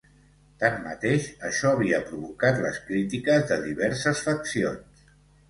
Tanmateix, això havia provocat les crítiques de diverses faccions.